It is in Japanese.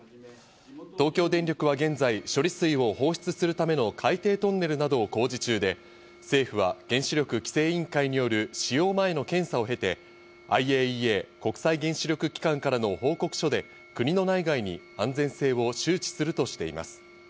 東京電力は現在、処理水を放出するための海底トンネルなどを工事中で、政府は原子力規制委員会による使用前の検査を経て、ＩＡＥＡ＝国際原子力機関からの報告書で国の内外に安全性を周知するとしています。